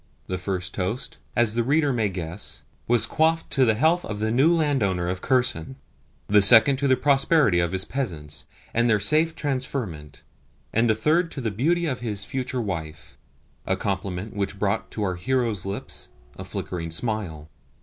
The first toast (as the reader may guess) was quaffed to the health of the new landowner of Kherson; the second to the prosperity of his peasants and their safe transferment; and the third to the beauty of his future wife a compliment which brought to our hero's lips a flickering smile.